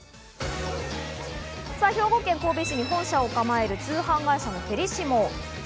兵庫県神戸市に本社を構える通販会社のフェリシモ。